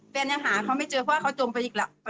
ยังหาเขาไม่เจอเพราะว่าเขาจมไปอีกแล้ว